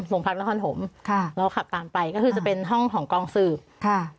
โรงพักนครหมค่ะเราขับตามไปก็คือจะเป็นห้องของกองสืบค่ะ